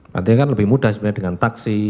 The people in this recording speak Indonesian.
artinya kan lebih mudah sebenarnya dengan taksi